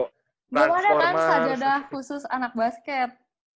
gimana kan sajadah khusus anak basket